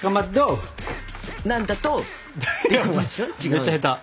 めっちゃ下手！